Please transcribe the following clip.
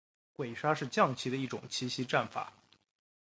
鬼杀是将棋的一种奇袭战法。